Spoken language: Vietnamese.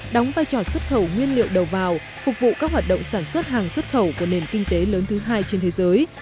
đóng vai trò xuất khẩu nguyên liệu đầu vào phục vụ các hoạt động sản xuất hàng xuất khẩu của nền kinh tế lớn thứ hai trên thế giới